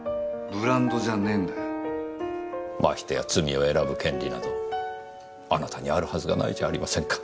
ましてや罪を選ぶ権利などあなたにあるはずがないじゃありませんか。